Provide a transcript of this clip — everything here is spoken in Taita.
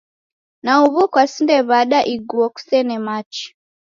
Na u'wu kwasinde w'ada iguo kusena machi?